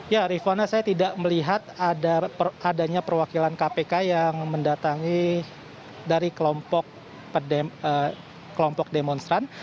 ya rifana saya tidak melihat adanya perwakilan kpk yang mendatangi dari kelompok demonstran